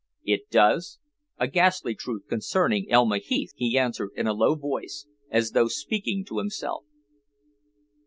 "It does a ghastly truth concerning Elma Heath," he answered in a low voice, as though speaking to himself.